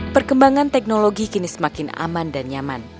perkembangan teknologi kini semakin aman dan nyaman